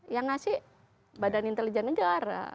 yang ngasih badan intelijen negara